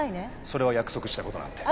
それは約束したことなんで。